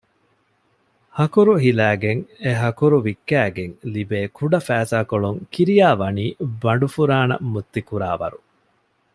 ހަކުރު ހިލައިގެން އެހަކުރު ވިއްކައިގެން ލިބޭ ކުޑަ ފައިސާކޮޅުން ކިރިޔާވަނީ ބަނޑުފުރާނަ މުއްތިކުރާވަރު